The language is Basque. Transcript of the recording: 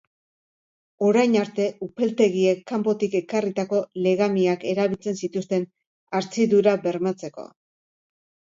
Orain arte, upeltegiek kanpotik ekarritako legamiak erabiltzen zituzten hartzidura bermatzeko.